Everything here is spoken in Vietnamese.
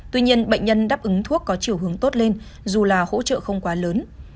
tuy nhiên bệnh nhân đáp ứng thuốc có chiều hướng tốt lên dù là hỗ trợ không quá lớn